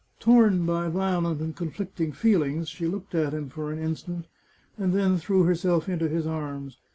Torn by violent and conflicting feelings, she looked at him for an instant, and then threw herself into his arms.